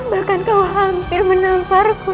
bahkan kau hampir menamparku